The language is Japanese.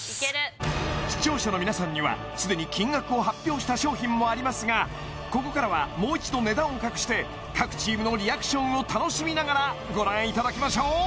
視聴者の皆さんにはすでに金額を発表した商品もありますがここからはもう一度値段を隠して各チームのリアクションを楽しみながらご覧いただきましょう